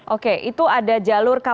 oke itu ada jalur kapal